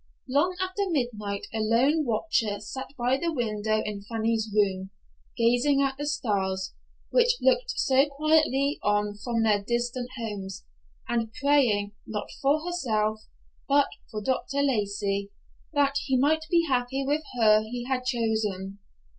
Long after midnight a lone watcher sat by the window in Fanny's room, gazing at the stars, which looked so quietly on from their distant homes, and praying, not for herself, but for Dr. Lacey, that he might be happy with her he had chosen.